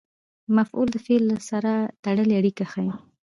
مفعول د فعل سره تړلې اړیکه ښيي.